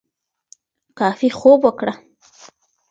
کافي خوب وکړه